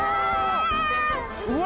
うわ！